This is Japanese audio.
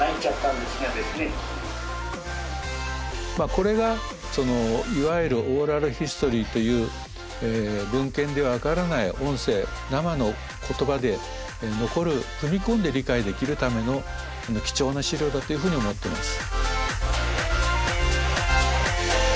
これがいわゆるオーラルヒストリーという文献では分からない音声生の言葉で残る踏み込んで理解できるための貴重な史料だというふうに思ってます。